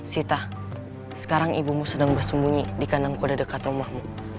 sita sekarang ibumu sedang bersembunyi di kandang kuda dekat rumahmu